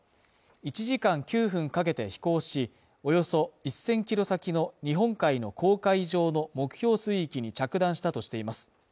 １時間９分かけて飛行し、およそ１０００ｋｍ先の日本海の公海上の目標水域に着弾したとしています。